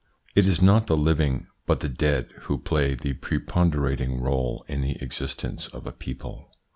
It is not the living but the dead who play the preponderating role in the existence of a people.